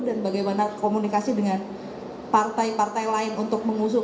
dan bagaimana komunikasi dengan partai partai itu